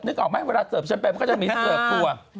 นึกออกไหมเวลาเสิร์ฟแชมเปญก็จะมีเสิร์ฟครัว